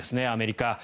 アメリカ。